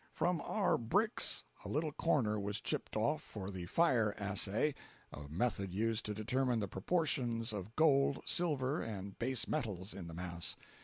256.jpg (96K) From our bricks a little corner was chipped off for the "fire assay"—a method used to determine the proportions of gold, silver and base metals in the mass.